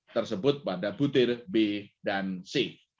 tersebut pada butir b dan c